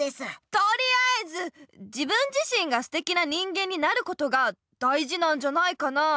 とりあえず自分自身がすてきな人間になることが大事なんじゃないかなあ。